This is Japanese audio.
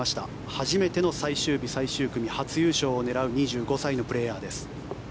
初めての最終日、最終組初優勝を狙う２５歳のプレーヤーです。